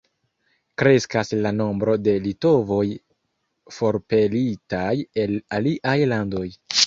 Kreskas la nombro de litovoj forpelitaj el aliaj landoj.